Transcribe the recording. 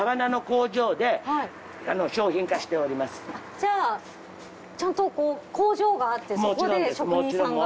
じゃあちゃんとこう工場があってそこで職人さんが。